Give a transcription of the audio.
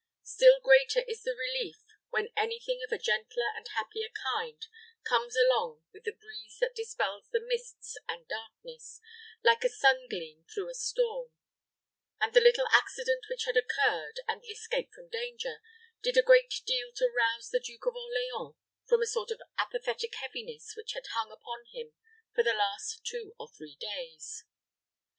Still greater is the relief when any thing of a gentler and happier kind comes along with the breeze that dispels the mists and darkness, like a sun gleam through a storm; and the little accident which had occurred, and the escape from danger, did a great deal to rouse the Duke of Orleans from a sort of apathetic heaviness which had hung upon him for the last two or three days.